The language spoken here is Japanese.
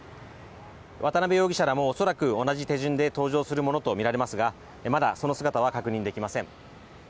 渡辺容疑者らも恐らく同じ手順で搭乗するものとみられますがまだその姿は確認できません。